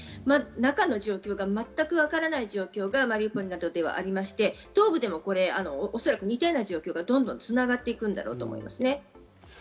中の状況が全くわからない状況がマリウポリなどではありまして、東部でもおそらく似たような状況が繋がっていくと思います。